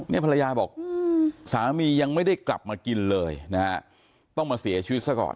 นี่ภรรยาบอกสามียังไม่ได้กลับมากินเลยนะฮะต้องมาเสียชีวิตซะก่อน